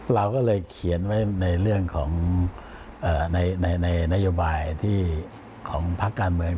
เราก็เลยเขียนไว้ในเรื่องของในนโยบายของพักการเมือง